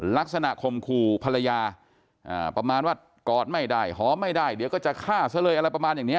ข่มขู่ภรรยาประมาณว่ากอดไม่ได้หอมไม่ได้เดี๋ยวก็จะฆ่าซะเลยอะไรประมาณอย่างนี้